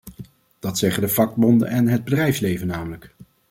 Dat zeggen de vakbonden en het bedrijfsleven namelijk.